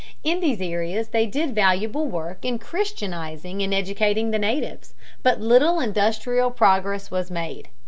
In these areas they did valuable work in Christianizing and educating the natives, but little industrial progress was made.